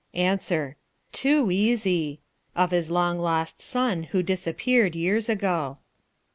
Answer. Too easy. Of his long lost son, who disappeared years ago.